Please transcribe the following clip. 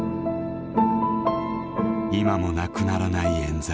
今もなくならないえん罪。